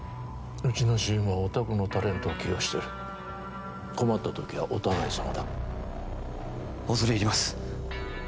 うちのＣＭはおたくのタレントを起用してる困った時はお互いさまだ恐れ入ります